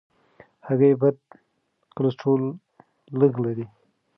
هګۍ بد کلسترول لږ لري.